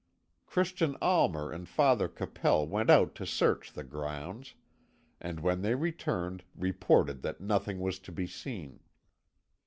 Christian Almer and Father Capel went out to search the grounds, and when they returned reported that nothing was to be seen.